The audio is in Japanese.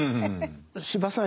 司馬さん